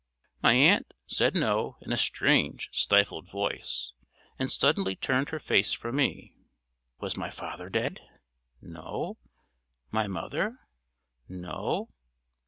My aunt, said No in a strange, stifled voice, and suddenly turned her face from me. Was my father dead? No. My mother? No.